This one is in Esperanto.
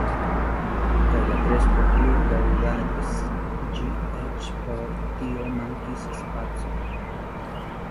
Kaj la kresko plu daŭradis ĝis eĉ por tio mankis spaco.